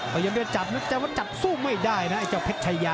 มันยังไม่ได้จับจับสู้ไม่ได้นะไอ้เจ้าเพชรชายา